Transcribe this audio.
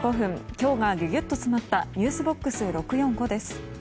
今日がギュギュっと詰まったｎｅｗｓＢＯＸ６４５です。